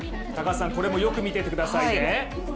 高橋さん、これもよく見ててくださいね。